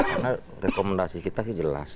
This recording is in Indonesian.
karena rekomendasi kita sih jelas